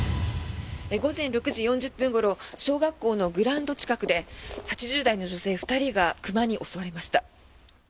午前６時４０分ごろ小学校のグラウンド近くで８０代の女性２人が熊に襲われました。